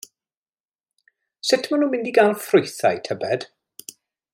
Sut maen nhw'n mynd i gael y ffrwythau, tybed?